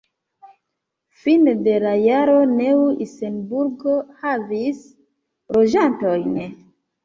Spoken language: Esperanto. Fine de la jaro Neu-Isenburg havis loĝantojn.